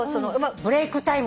ブレイクタイムだ。